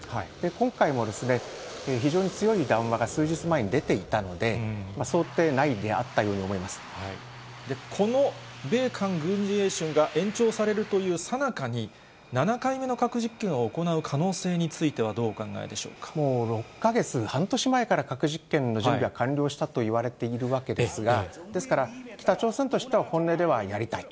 今回も非常に強い談話が数日前に出ていたので、この米韓軍事演習が延長されるというさなかに、７回目の核実験を行う可能性については、６か月、半年前から核実験の準備は完了したといわれているわけですが、ですから、北朝鮮としては本音ではやりたい。